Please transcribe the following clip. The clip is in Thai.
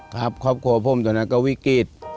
ครอบครัวผมตอนนั้นก็วิกฤต